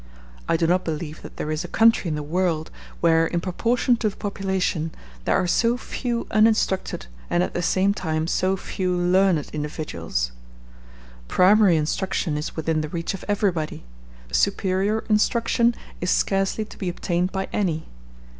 I do not believe that there is a country in the world where, in proportion to the population, there are so few uninstructed and at the same time so few learned individuals. Primary instruction is within the reach of everybody; superior instruction is scarcely to be obtained by any.